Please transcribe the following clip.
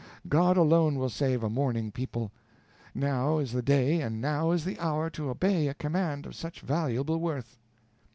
God alone will save a mourning people. Now is the day and now is the hour to obey a command of such valuable worth."